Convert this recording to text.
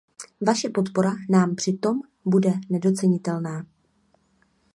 Vaše podpora nám při tom bude nedocenitelná.